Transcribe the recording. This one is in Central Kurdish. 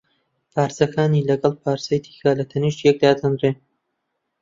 پارچەکانی لەگەڵ پارچەی دیکە لە تەنیشت یەک دادەنرێن